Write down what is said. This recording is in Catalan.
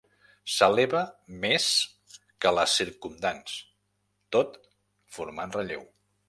S'eleva més que les circumdants, tot formant relleu.